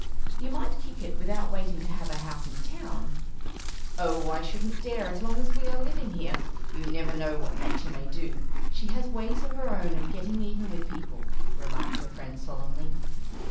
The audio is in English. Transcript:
"You might kick it without waiting to have a house in town." "Oh, I shouldn't dare as long as we are living here! You never know what Nature may do. She has ways of her own of getting even with people," remarked her friend, solemnly.